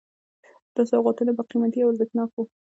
دا سوغاتونه به قیمتي او ارزښتناک وو.